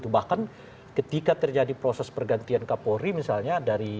bahkan ketika terjadi proses pergantian kapolri misalnya